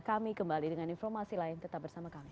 kami kembali dengan informasi lain tetap bersama kami